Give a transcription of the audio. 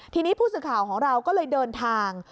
ทีนี้ผู้สื่อข่าวของเราก็เลยเดินทาง